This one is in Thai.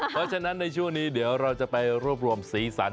เพราะฉะนั้นในช่วงนี้เดี๋ยวเราจะไปรวบรวมสีสัน